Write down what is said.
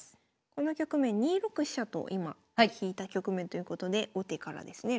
この局面２六飛車と今引いた局面ということで後手からですね